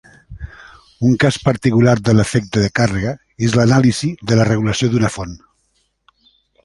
Un cas particular de l'efecte de càrrega és l'anàlisi de la regulació d'una font.